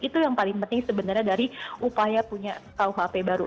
itu yang paling penting sebenarnya dari upaya punya kuhp baru